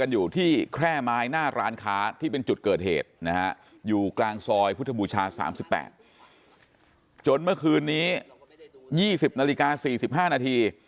อยู่กลางซอยพุทธบูชา๓๘จนเมื่อคืนนี้๒๐นาฬิกา๔๕นาที